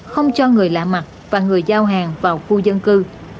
không cho người lạ mặt và người giao hàng vào khu dân cư